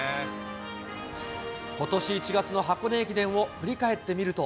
ことし１月の箱根駅伝を振り返ってみると。